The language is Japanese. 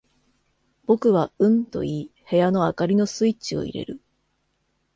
僕はうんと言い、部屋の灯りのスイッチを入れる。